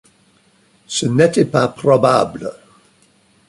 Ce n’était pas probable.